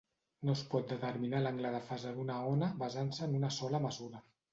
No es pot determinar l'angle de fase d'una ona basant-se en una sola mesura.